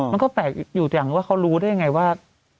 มันก็แปลกอยู่อย่างว่าเขารู้ได้ยังไงว่า